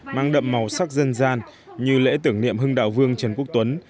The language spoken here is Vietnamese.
mang đậm màu sắc dân gian như lễ tưởng niệm hưng đạo vương trần quốc tuấn